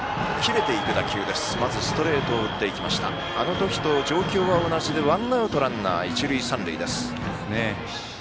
あの時と状況は同じでワンアウトランナー、一塁三塁です。